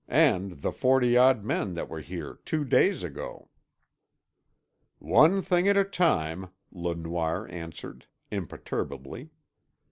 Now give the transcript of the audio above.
and the forty odd men that were here two days ago?" "One thing at a time," Le Noir answered imperturbably.